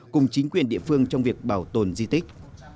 cùng chính quyền địa phương trong việc bảo tồn di tích